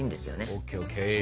ＯＫＯＫ。